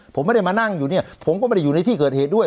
ผมไม่ได้มานั่งอยู่เนี่ยผมก็ไม่ได้อยู่ในที่เกิดเหตุด้วย